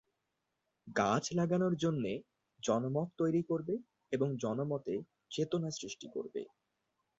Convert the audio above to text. গাছ লাগানোর জন্য জনমত তৈরি করবে এবং জনমতে চেতনা সৃষ্টি করবে।